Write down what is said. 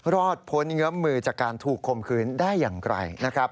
รอดพ้นเงินมือจากการถูกข่มขืนได้อย่างไกล